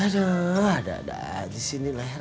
aduh ada ada aja sih ini leher